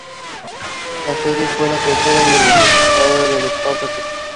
La serie fue la tercera y última temporada de la "Spartacus".